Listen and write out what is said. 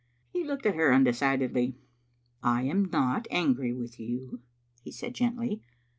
He looked at her undecidedly. "I am not angry with you," he said, gently.